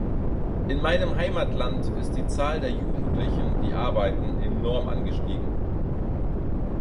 In meinem Heimatland ist die Zahl der Jugendlichen, die arbeiten, enorm angestiegen.